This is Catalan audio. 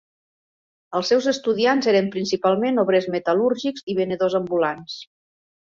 Els seus estudiants eren principalment obrers metal·lúrgics i venedors ambulants.